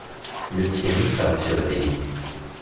Lethierry parut se réveiller.